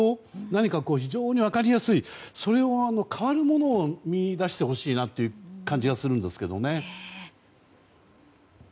何か非常に分かりやすいそれに代わるものを見いだしてほしいなという感じがするんですけどね。